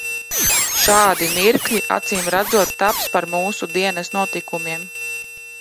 Šādi mirkļi acīmredzot taps par mūsu dienas notikumiem.